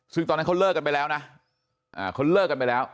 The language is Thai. ซึ่งตอนนั้นเขาเลิกกันไปแล้วนะเขาเลิกกันไปแล้ว